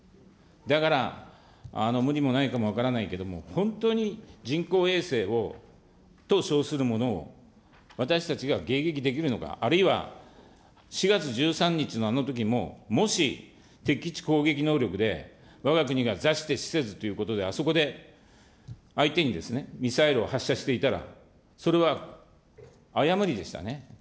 だから、無理もないかも分からないけど、本当に人工衛星と称するものを私たちが迎撃できるのか、あるいは４月１３日のあのときももし敵基地攻撃能力でわが国が座して死せずということで、あそこで相手にミサイルを発射していたら、それは誤りでしたね。